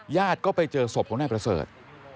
ก็ไปเจอศพของนายประเสริฐ